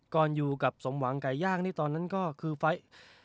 ก่อนอยู่กับสมหวังไก่ย่างนี่ตอนนั้นก็คือไฟล์